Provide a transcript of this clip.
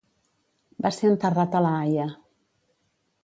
Va ser enterrat a La Haia.